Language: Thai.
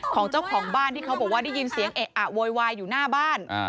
ของเจ้าของบ้านที่เขาบอกว่าได้ยินเสียงเอะอะโวยวายอยู่หน้าบ้าน